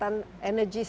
nanti wilayah lagi naik